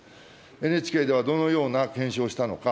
ＮＨＫではどのような検証をしたのか。